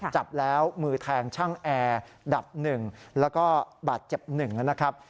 จับแล้วมือแทงช่างแอร์ดับ๑แล้วก็บาดเจ็บ๑นะครับ